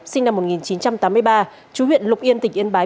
sinh năm một nghìn chín trăm tám mươi ba chú huyện lục yên tỉnh yên bái